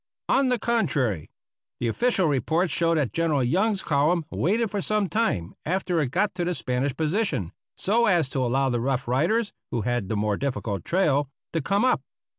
On the contrary. The official reports show that General Young's column waited for some time after it got to the Spanish position, so as to allow the Rough Riders (who had the more difficult trail) to come up.